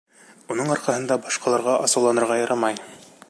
Уның арҡаһында башҡаларға асыуланырға ярамай.